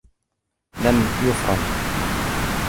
لم يفرن.